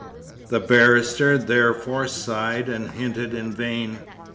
The barrister, therefore, sighed and hinted in vain.